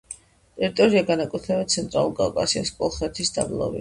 ტერიტორია განეკუთვნება ცენტრალურ კავკასიას, კოლხეთის დაბლობის